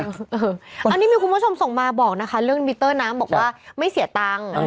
อันนี้มีคุณผู้ชมส่งมาบอกนะคะเรื่องมิเตอร์น้ำบอกว่าไม่เสียตังค์